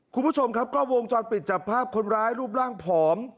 คุณผู้ชมครับกล้องวงจรปิดจับภาพคนร้ายรูปร่างผอม